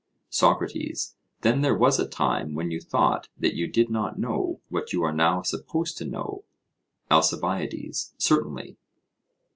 SOCRATES: Then there was a time when you thought that you did not know what you are now supposed to know? ALCIBIADES: Certainly.